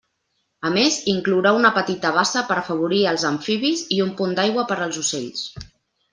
A més, inclourà una petita bassa per afavorir els amfibis i un punt d'aigua per als ocells.